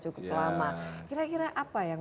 cukup lama kira kira apa yang